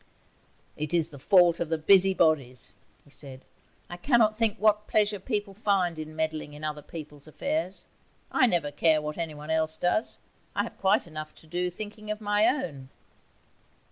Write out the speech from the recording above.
'It is the fault of the busybodies,' he said; 'I cannot think what pleasure people find in meddling in other people's affairs. I never care what anyone else does. I have quite enough to do thinking of my own.'